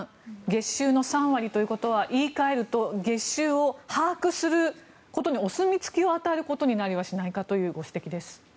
月収の３割ということは言い換えると月収を把握することにお墨付きを与えることになりはしないかというご指摘です。